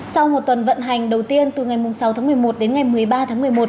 sau một tuần vận hành đầu tiên từ ngày sáu tháng một mươi một đến ngày một mươi ba tháng một mươi một